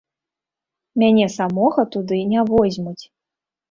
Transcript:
Мяне самога туды не возьмуць.